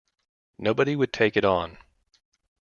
Nobody would take it on.